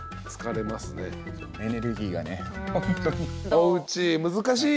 おうち難しいよ。